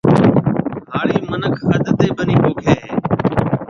ھاڙِي مِنک اڌ تيَ ٻنِي پوکيَ ھيََََ